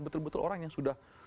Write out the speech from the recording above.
betul betul orang yang sudah